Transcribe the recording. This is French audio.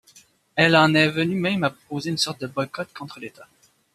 Elle en est venue même à proposer une sorte de boycott contre l’État.